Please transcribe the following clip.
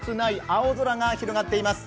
青空が広がっています。